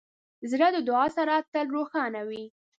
زړه د دعا سره تل روښانه وي.